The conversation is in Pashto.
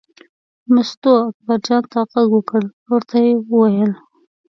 مستو اکبرجان ته غږ وکړ او ورته یې وویل.